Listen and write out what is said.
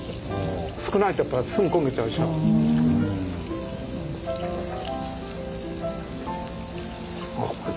少ないとやっぱすぐ焦げちゃうでしょ。